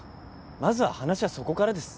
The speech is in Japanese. まずは話はそこからです。